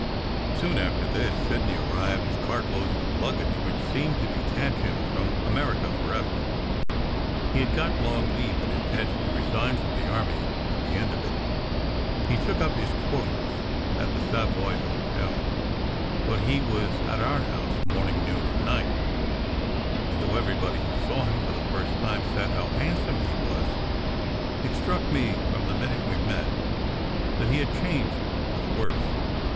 Soon after this, Sidney arrived with cartloads of luggage, which seemed to detach him from America forever. He had got long leave and intended to resign from the army at the end of it. He took up his quarters at the Savoy Hotel, 178 SECRET HISTORY but he was at our house morning, noon, and night; and though everybody who saw him for the first time said how handsome he was, it struck me from the minute we met that he had changed for the worse.